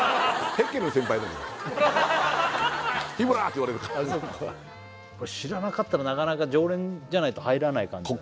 ヘッケルン先輩なのよ日村！って言われるから知らなかったらなかなか常連じゃないと入らない感じだね